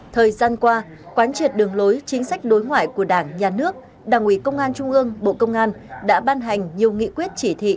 thời gian qua quán triệt đường lối chính sách đối ngoại của đảng nhà nước đảng ủy công an trung ương bộ công an đã ban hành nhiều nghị quyết chỉ thị